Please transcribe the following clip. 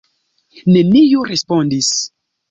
Neniu respondis.